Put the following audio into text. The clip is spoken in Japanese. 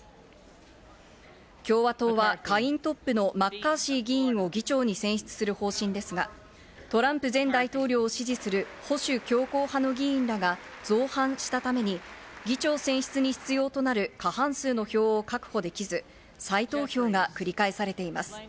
共和党は下院トップのマッカーシー議員を議長に選出する方針ですが、トランプ前大統領を支持する保守強硬派の議員らが造反したために、議長選出に必要となる過半数の票を確保できず、再投票が繰り返されています。